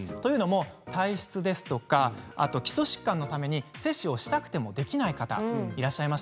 体質ですとか基礎疾患のために接種をしたくてもできない方がいらっしゃいます。